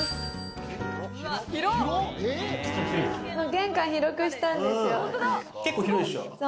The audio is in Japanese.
玄関広くしたんですよ。